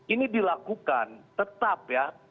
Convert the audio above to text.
ini dilakukan tetap ya